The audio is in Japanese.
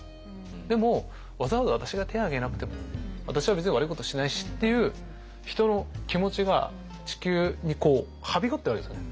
でもわざわざ私が手を挙げなくても私は別に悪いことしてないしっていう人の気持ちが地球にはびこってるわけですよね。